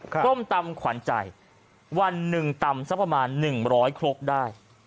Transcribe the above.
คั่วมตำขวานใจ๑ตำซะประมาณ๑๐๐ครบได้